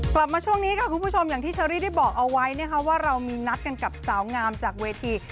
กลับมาช่วงนี้ค่ะคุณผู้ชมอย่างที่เชอรี่ได้บอกเอาไว้นะคะว่าเรามีนัดกันกับสาวงามจากเวที